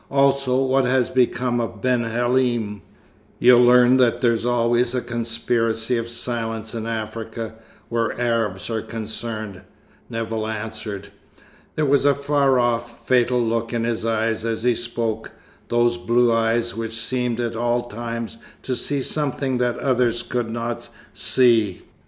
"Also, what has become of Ben Halim." "You'll learn that there's always a conspiracy of silence in Africa, where Arabs are concerned," Nevill answered. There was a far off, fatal look in his eyes as he spoke, those blue eyes which seemed at all times to see something that others could not see.